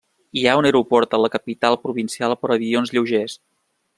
Hi ha un aeroport a la capital provincial per avions lleugers.